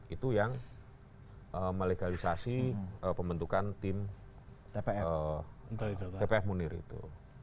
itu yang melegalisasi pembentukan tim tpf munir itu